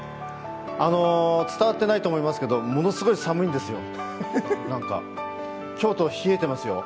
伝わってないと思いますけどものすごい寒いんですよ。